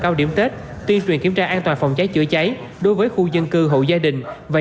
cao điểm tết tuyên truyền kiểm tra an toàn phòng cháy chữa cháy đối với khu dân cư hộ gia đình và